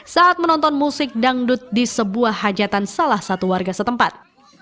saat menonton musik dangdut di sebuah hajatan salah satu warga setempat